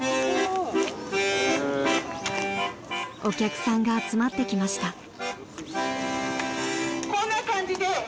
［お客さんが集まってきました］